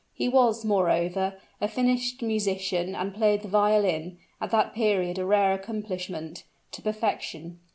He was, moreover, a finished musician, and played the violin, at that period a rare accomplishment, to perfection.